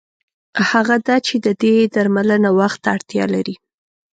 هغه دا چې د دې درملنه وخت ته اړتیا لري.